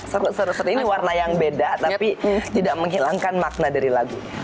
seru seru seru ini warna yang beda tapi tidak menghilangkan makna dari lagunya